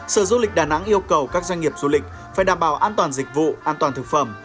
sở du lịch đà nẵng yêu cầu các doanh nghiệp du lịch phải đảm bảo an toàn dịch vụ an toàn thực phẩm